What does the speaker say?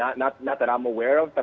tidak ada tanggapan ofisial